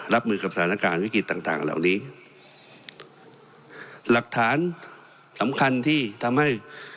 รับมือกับสถานการณ์วิกฤตต่างต่างเหล่านี้หลักฐานสำคัญที่ทำให้